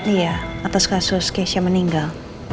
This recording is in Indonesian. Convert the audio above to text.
iya atas kasus keisha meninggal